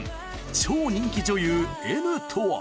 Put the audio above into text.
超人気女優Ｎとは。